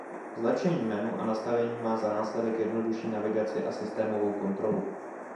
Zlepšení menu a nastavení má za následek jednodušší navigaci a systémovou kontrolu.